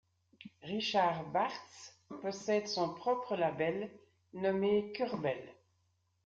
Richard Bartz possède son propre label nommé Kurbel.